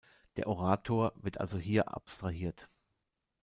Der Orator wird also hier abstrahiert.